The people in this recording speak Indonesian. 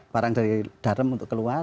barang dari darem untuk keluar